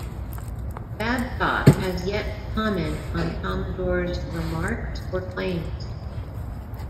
Babcock has yet to comment on Commodore's remarks or claims.